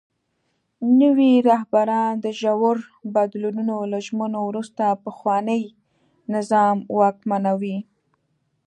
نوي رهبران د ژورو بدلونونو له ژمنو وروسته پخواني نظام واکمنوي.